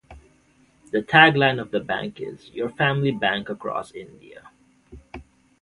The tag line of the bank is "Your Family Bank Across India".